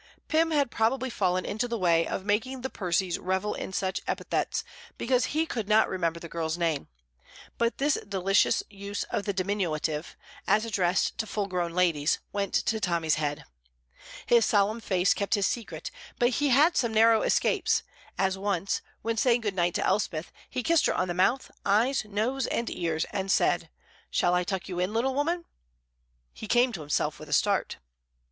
Pym had probably fallen into the way of making the Percys revel in such epithets because he could not remember the girl's name; but this delicious use of the diminutive, as addressed to full grown ladies, went to Tommy's head. His solemn face kept his secret, but he had some narrow escapes; as once, when saying good night to Elspeth, he kissed her on mouth, eyes, nose, and ears, and said: "Shall I tuck you in, little woman?" He came to himself with a start.